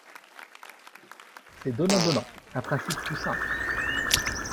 C’est donnant-donnant, un principe tout simple.